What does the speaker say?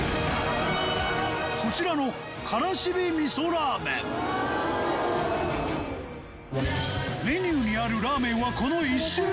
こちらのメニューにあるラーメンはこの１種類のみ